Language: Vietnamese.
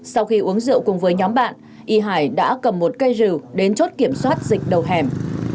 sau khi uống rượu cùng với nhóm bạn y hải đã cầm một cây rừng đến chốt kiểm soát dịch đầu hẻm